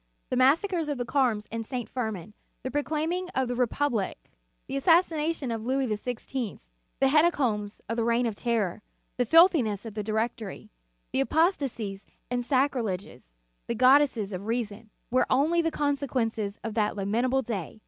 The massacres of the Carmes and St. Firmin, the proclaiming of the Re public, the assassination of Louis XVI., the hecatombs of the Reign of Terror, the filthi ness of the Directory, the apostasies and sacrileges, the goddesses of Reason, were only the consequences of that lamentable day.